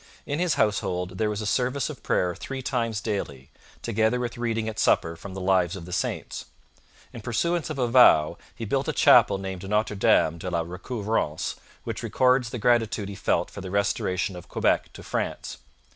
In his household there was a service of prayer three times daily, together with reading at supper from the lives of the saints. In pursuance of a vow, he built a chapel named Notre Dame de la Recouvrance, which records the gratitude he felt for the restoration of Quebec to France.